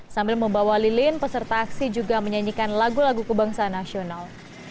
sambil membawa lilin peserta aksi juga menyanyikan lagu lagu kebangsaan nasional